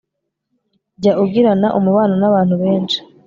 jya ugirana umubano n'abantu benshi